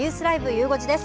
ゆう５時です。